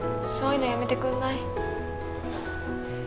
そういうのやめてくんない？